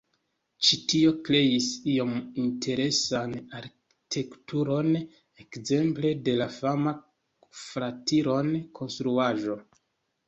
Ĉi tio kreis iom interesan arkitekturon, ekzemple de la fama Flatiron-Konstruaĵo.